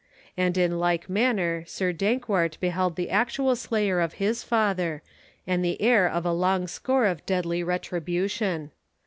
And in like manner Sir Dankwart beheld the actual slayer of his father, and the heir of a long score of deadly retribution.